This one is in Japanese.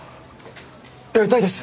やりたいです！